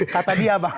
kata dia bang